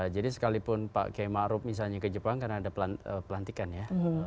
jadi sekalipun pak k maruf misalnya ke jepang karena ada pelantikan ya